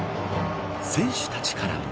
選手たちからも。